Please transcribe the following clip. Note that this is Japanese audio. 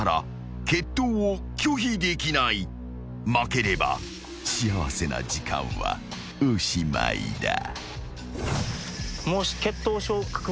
［負ければ幸せな時間はおしまいだ］